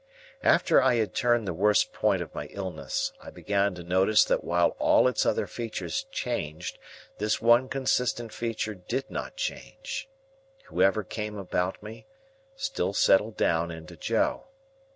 After I had turned the worst point of my illness, I began to notice that while all its other features changed, this one consistent feature did not change. Whoever came about me, still settled down into Joe.